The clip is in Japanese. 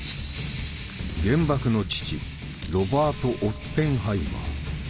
原爆の父ロバート・オッペンハイマー。